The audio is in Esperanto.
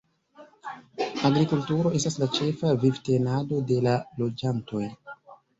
Agrikulturo estas la ĉefa vivtenado de la loĝantoj.